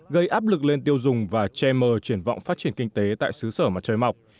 gây áp lực lên tiêu dùng và che mờ triển vọng phát triển kinh tế tại xứ sở mặt trời mọc